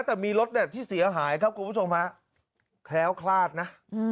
แต่มีรถเนี่ยที่เสียหายครับคุณผู้ชมฮะแคล้วคลาดนะ